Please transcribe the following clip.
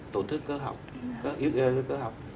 tổn thương cơ học